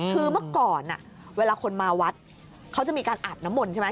คือเมื่อก่อนเวลาคนมาวัดเขาจะมีการอาบน้ำมนต์ใช่ไหม